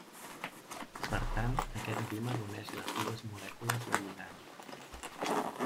Per tant, aquest dímer uneix les dues molècules de lligant.